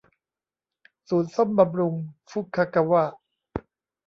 ศูนย์ซ่อมบำรุงฟุคะกะวะ